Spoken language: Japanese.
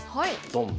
ドン。